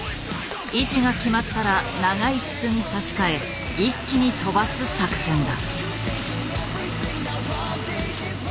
位置が決まったら長い筒に差し替え一気に飛ばす作戦だ。